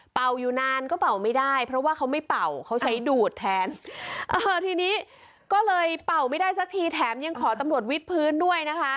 อยู่นานก็เป่าไม่ได้เพราะว่าเขาไม่เป่าเขาใช้ดูดแทนเออทีนี้ก็เลยเป่าไม่ได้สักทีแถมยังขอตำรวจวิทพื้นด้วยนะคะ